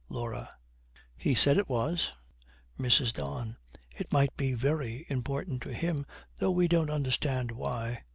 LAURA. 'He said it was.' MRS. DON. 'It might be very important to him, though we don't understand why.'